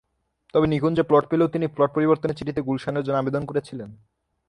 তবে নিকুঞ্জে প্লট পেলেও তিনি প্লট পরিবর্তনের চিঠিতে গুলশানের জন্য আবেদন করেছিলেন।